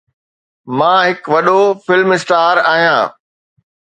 مان هڪ وڏو فلم اسٽار آهيان